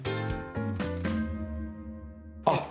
あっ